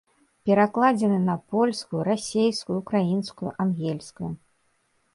Перакладзены на польскую, расейскую, украінскую, ангельскую.